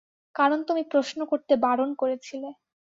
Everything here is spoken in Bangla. কারণ তুমি প্রশ্ন করতে বারণ করেছিলে।